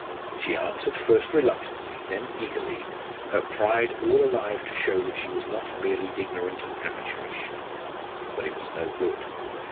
She answered first reluctantly, then eagerly, her pride all alive to show that she was not merely ignorant and amateurish. But it was no good.